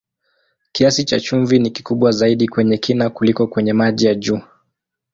Kiasi cha chumvi ni kikubwa zaidi kwenye kina kuliko kwenye maji ya juu.